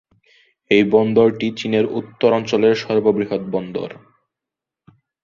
এই বন্দরটি চীনের উত্তর অঞ্চলের সর্ববৃহৎ বন্দর।